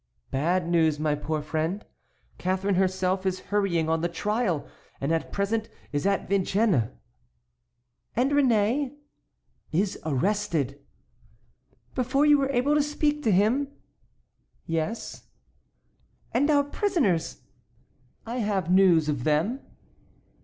"Bad news, my poor friend. Catharine herself is hurrying on the trial, and at present is at Vincennes." "And Réné?" "Is arrested." "Before you were able to speak to him?" "Yes." "And our prisoners?" "I have news of them."